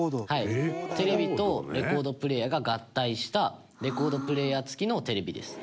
テレビとレコードプレーヤーが合体したレコードプレーヤー付きのテレビです。